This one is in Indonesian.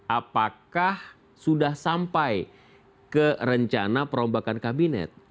apakah sudah sampai ke rencana perombakan kabinet